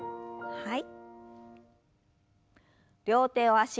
はい。